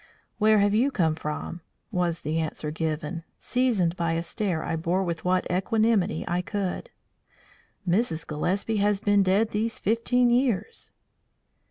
"Where have you come from?" was the answer given, seasoned by a stare I bore with what equanimity I could. "Mrs. Gillespie has been dead these fifteen years."